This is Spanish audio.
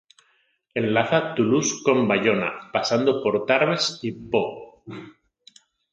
Enlaza Toulouse con Bayonne pasando por Tarbes y Pau.